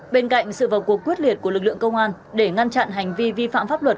bên cạnh sự vào cuộc quyết liệt của lực lượng công an để ngăn chặn hành vi vi phạm pháp luật